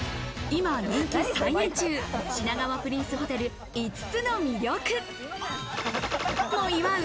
今人気再燃中、品川プリンスホテル５つの魅力。で祝う